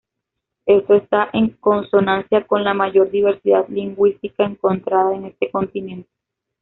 Esto está en consonancia con la mayor diversidad lingüística encontrada en este continente.